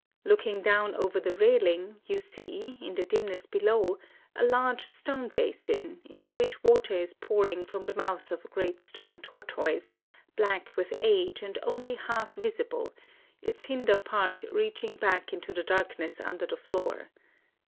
Looking down over the railing, you see, in the dimness below, a large stone basin, into which water is pour ing from the mouth of a great stone tortoise, black with age, and only half visible, — its hinder part reaching back into the darkness under the floor.